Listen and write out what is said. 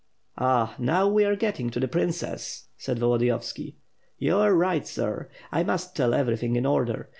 " "Ah, now we are getting to the princess," said Volo diyovsici. "You are right, sir. I must tell everything in order.